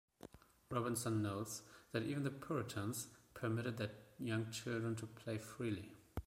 Robinson notes that even the Puritans permitted their young children to play freely.